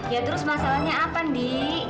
ya terus masalahnya apa nih